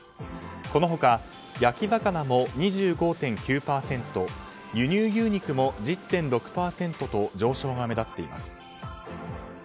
この他、焼き魚も２５．９％輸入牛肉も１０．６％と上昇が目立っています。